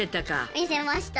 見せましたね。